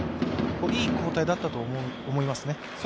いい交代だったと思いますね。